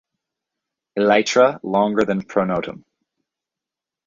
Elytra longer than pronotum.